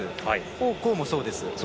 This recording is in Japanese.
王浩もそうです。